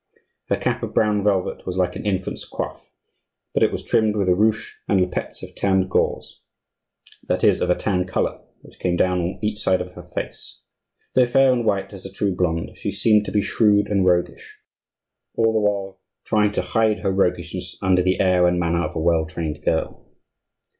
Her cap of brown velvet was like an infant's coif, but it was trimmed with a ruche and lappets of tanned gauze, that is, of a tan color, which came down on each side of her face. Though fair and white as a true blonde, she seemed to be shrewd and roguish, all the while trying to hide her roguishness under the air and manner of a well trained girl.